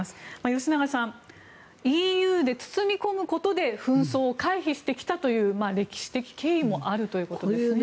吉永さん、ＥＵで包み込むことで紛争を回避してきたという歴史的経緯もあるということですね。